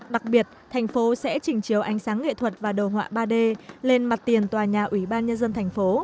đặc biệt thành phố sẽ trình chiều ánh sáng nghệ thuật và đồ họa ba d lên mặt tiền tòa nhà ủy ban nhân dân tp